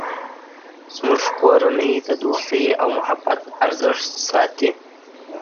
زموږ کورنۍ د دوستۍ او محبت ارزښت ساتی